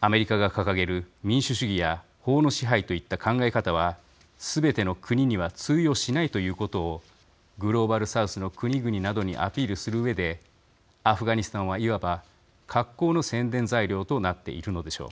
アメリカが掲げる民主主義や法の支配といった考え方はすべての国には通用しないということをグローバル・サウスの国々などにアピールするうえでアフガニスタンはいわば格好の宣伝材料となっているのでしょう。